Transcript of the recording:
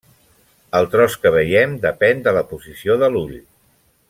El tros que veiem depèn de la posició de l'ull.